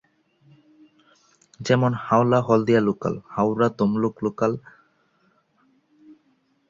যেমন- Howrah-Haldia local, হাওড়া-তমলুক local, Panskura-Digha local এবং Santragachi-Haldia local ইত্যাদি।